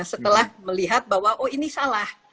setelah melihat bahwa oh ini salah